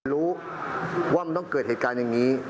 รู้ว่ามันต้องเกิดเหตุการณ์อย่างนี้